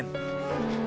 うん